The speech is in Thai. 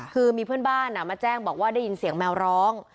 คือมีเพื่อนบ้านมาแจ้งบอกว่าได้ยินเสียงแมวร้อง